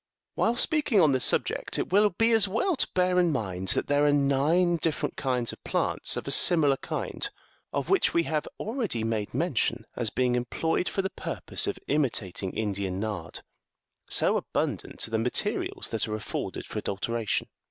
While speaking on this subject, it will be as well to bear in mind that there are nine different kinds of plants of a similar kind, of which we have already made mention 69 as being em ployed for the purpose of imitating Indian nard ; so abun dant are the materials that are afforded for adulteration.